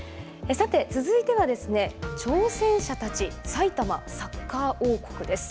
さて続いては、挑戦者たち埼玉・サッカー王国です。